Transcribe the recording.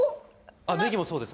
ネギもそうです